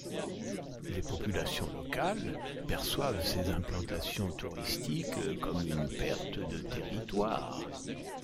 Les populations locales perçoivent ces implantations touristiques comme une perte de territoire.